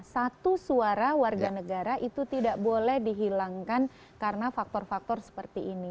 satu suara warga negara itu tidak boleh dihilangkan karena faktor faktor seperti ini